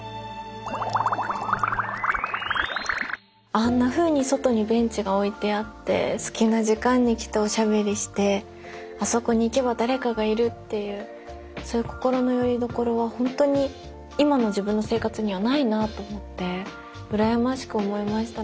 あんなふうに外にベンチが置いてあって好きな時間に来ておしゃべりしてあそこに行けば誰かがいるっていうそういう心のよりどころはホントに今の自分の生活にはないなと思って羨ましく思いましたね。